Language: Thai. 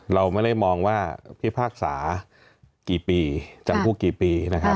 เราไม่ได้มองว่าพิพากษากี่ปีจำคุกกี่ปีนะครับ